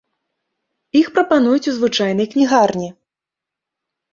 Іх прапануюць у звычайнай кнігарні.